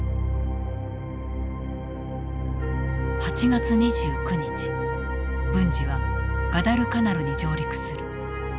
８月２９日文次はガダルカナルに上陸する。